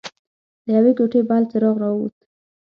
له يوې کوټې بل څراغ راووت.